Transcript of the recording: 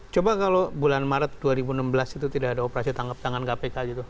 coba kalau bulan maret dua ribu enam belas itu tidak ada operasi tangkap tangan kpk gitu